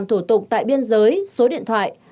theo số điện thoại